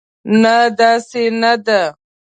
نه، داسې نه ده.